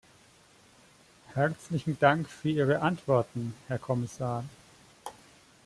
Herzlichen Dank für Ihre Antworten, Herr Kommissar.